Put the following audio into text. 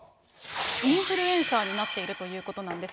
インフルエンサーになっているということなんです。